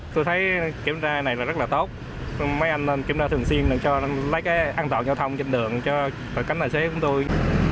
tôi thấy kiểm tra này là rất là tốt mấy anh kiểm tra thường xuyên để cho nó lấy cái an toàn giao thông trên đường cho cảnh đại sế của tôi